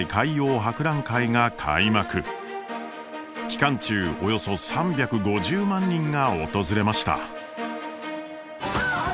期間中およそ３５０万人が訪れました。